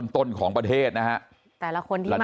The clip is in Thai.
ตนของประเทศนะครับ